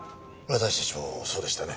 私たちもそうでしたね。